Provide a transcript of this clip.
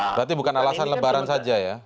berarti bukan alasan lebaran saja ya